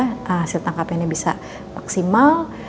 hasil tangkapannya bisa maksimal